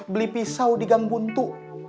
beli pisau di gang buntu